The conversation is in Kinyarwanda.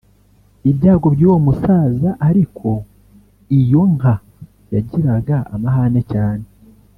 Ibyago by’uwo musaza ariko iyo nka yagiraga amahane cyane